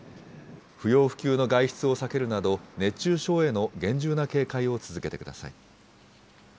不要不急の外出を避けるなど、熱中症への厳重な警戒を続けてください。